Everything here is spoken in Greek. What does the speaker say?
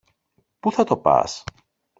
Πού θα το πας;